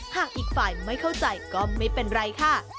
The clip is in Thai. หากอีกฝ่ายไม่เข้าใจก็ไม่เป็นไรค่ะ